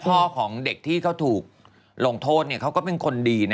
พ่อของเด็กที่เขาถูกลงโทษเขาก็เป็นคนดี